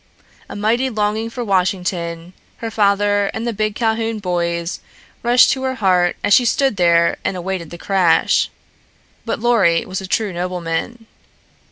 A mighty longing for Washington, her father and the big Calhoun boys, rushed to her heart as she stood there and awaited the crash. But Lorry was a true nobleman.